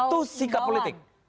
itu sikap politik